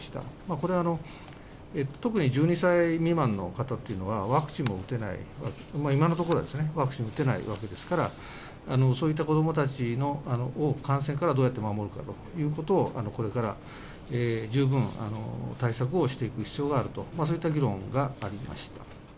これは特に１２歳未満の方っていうのは、ワクチンも打てない、今のところはですね、ワクチン打てないわけですから、そういった子どもたちを感染からどうやって守るかということを、これから十分、対策をしていく必要があると、そういった議論がありました。